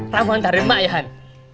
ramuan dari emak ya han